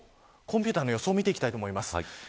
コンピューターの予想を見ていきたいと思います。